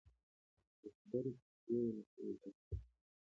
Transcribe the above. یوټوبر دې له خلکو ګټه مه کوي.